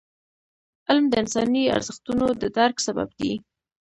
علم د انساني ارزښتونو د درک سبب دی.